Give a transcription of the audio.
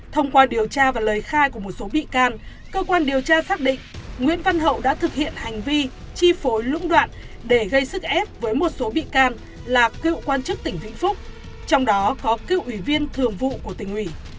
thông qua điều tra và lời khai của một số bị can cơ quan điều tra xác định nguyễn văn hậu đã thực hiện hành vi chi phối lũng đoạn để gây sức ép với một số bị can là cựu quan chức tỉnh vĩnh phúc trong đó có cựu ủy viên thường vụ của tỉnh ủy